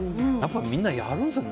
みんなやるんですね